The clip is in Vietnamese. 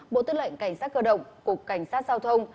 bộ tư lệnh cảnh sát cơ động cục cảnh sát giao thông